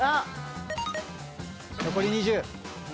残り２０。